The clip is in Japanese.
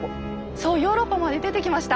そうヨーロッパまで出てきました！